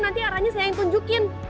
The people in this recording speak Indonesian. nanti arahnya saya yang tunjukin